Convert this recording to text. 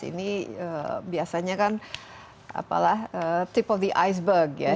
ini biasanya kan tip of the iceberg ya